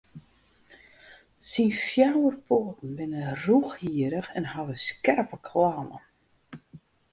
Syn fjouwer poaten binne rûchhierrich en hawwe skerpe klauwen.